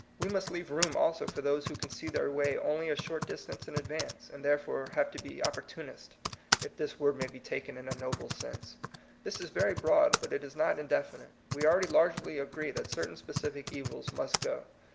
We must leave room also for those who can see their way only a short distance in advance, and therefore have to be "opportunists," if this word may be taken in a noble sense. This is very broad, but it is not indefi nite. We already largely agree that certain specific evils must go.